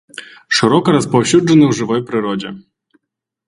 Шырока распаўсюджаны ў жывой прыродзе.